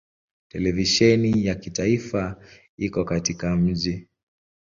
Televisheni ya kitaifa iko katika mji.